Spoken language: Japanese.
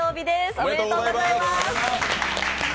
おめでとうございます。